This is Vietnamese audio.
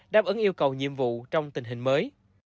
đáp ứng yêu cầu nhiệm vụ trong tình hình mới